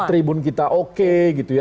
tribun kita oke gitu ya